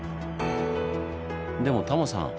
でもタモさん